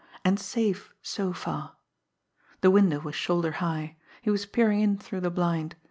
And safe so far! The window was shoulder high. He was peering in through the blind.